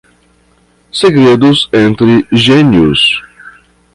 Segredos entre gênios